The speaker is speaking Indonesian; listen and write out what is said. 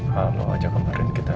kalau lo ajak kemarin kita